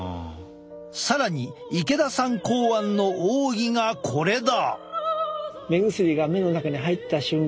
更に池田さん考案の奥義がこれだ！